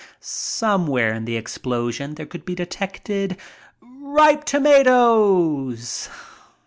Somewhere in the explosion there could be detected "ripe tomatoes."